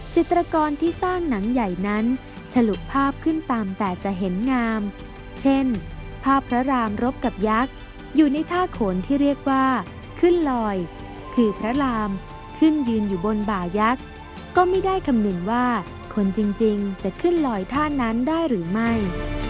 จิตรกรที่สร้างหนังใหญ่นั้นฉลุภาพขึ้นตามแต่จะเห็นงามเช่นภาพพระรามรบกับยักษ์อยู่ในท่าโขนที่เรียกว่าขึ้นลอยคือพระรามขึ้นยืนอยู่บนบ่ายักษ์ก็ไม่ได้คำนึงว่าคนจริงจะขึ้นลอยท่านั้นได้หรือไม่